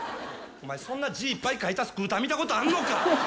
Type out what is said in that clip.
おまえ、そんな字いっぱい書いたスクーター、見たことあんのか！